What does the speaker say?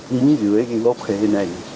chính dưới cái góc khế này